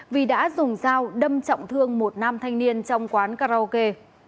vì đã dùng dao đâm trọng thương một nam thanh niên trong quán karaoke